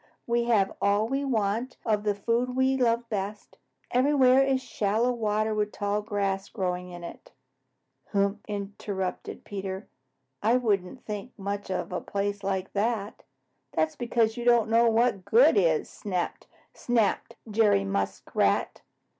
We have all we want of the food we love best. Everywhere is shallow water with tall grass growing in it." "Huh!" interrupted Peter, "I wouldn't think much of a place like that." "That's because you don't know what is good," snapped Jerry Muskrat.